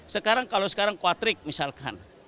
sekarang kalau sekarang kuatrik misalkan